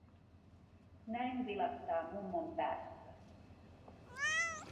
Näin vilahtaa mummon päässä.